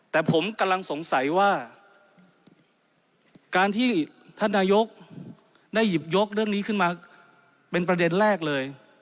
แต่ผมกำลังสงสัยว่าการที่ท่านนายกได้หยิบยกเรื่องนี้ขึ้นมาเป็นประเด็นแรกเลย